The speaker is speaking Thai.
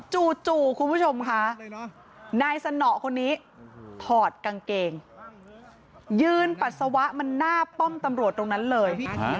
จู่คุณผู้ชมค่ะนายสนอคนนี้ถอดกางเกงยืนปัสสาวะมันหน้าป้อมตำรวจตรงนั้นเลย